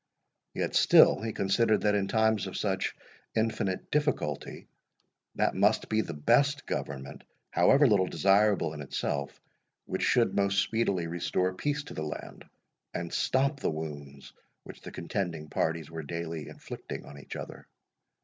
Yet still he considered that in times of such infinite difficulty, that must be the best government, however little desirable in itself, which should most speedily restore peace to the land, and stop the wounds which the contending parties were daily inflicting on each other.